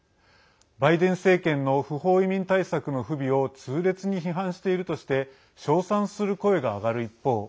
バイデン政権の不法移民対策の不備を痛烈に批判しているとして称賛する声が上がる一方